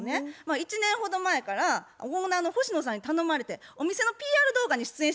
１年ほど前からオーナーの星野さんに頼まれてお店のＰＲ動画に出演してはったんよ。